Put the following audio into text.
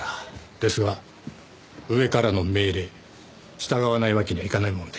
ですが上からの命令従わないわけにはいかないもんで。